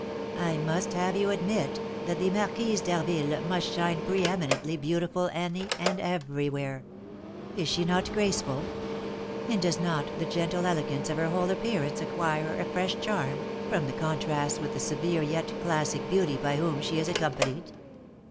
I must have you admit that the Marquise d'Harville must shine preeminently beautiful any and every where. Is she not graceful? And does not the gentle elegance of her whole appearance acquire a fresh charm, from the contrast with the severe yet classic beauty by whom she is accompanied?"